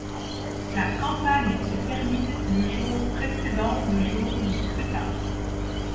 La campagne se termine le jour précédent le jour du scrutin.